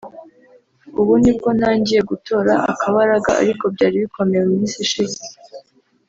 ubu ni bwo ntangiye gutora akabaraga ariko byari bikomeye mu minsi ishize